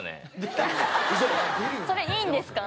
それいいんですか？